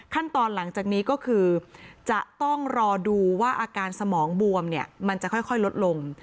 หลังจากนี้ก็คือจะต้องรอดูว่าอาการสมองบวมเนี่ยมันจะค่อยลดลง